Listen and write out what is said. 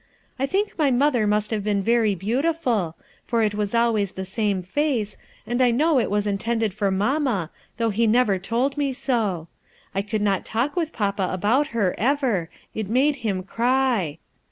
I think my mother must have been very beautiful, for it was always the same face, and I know it was intended for mamma, though he never told me so; I could not talk with papa about her, ever, it made him cry.